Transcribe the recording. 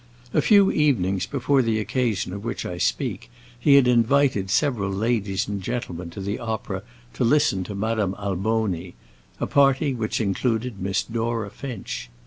A few evenings before the occasion of which I speak he had invited several ladies and gentlemen to the opera to listen to Madame Alboni—a party which included Miss Dora Finch.